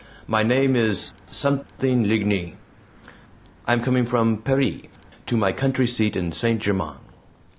My name is something LIGNY. I am coming from Paris to my country seat at St. Germain.